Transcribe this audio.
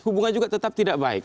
hubungan juga tetap tidak baik